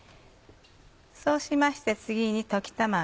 そうしまして次に溶き卵。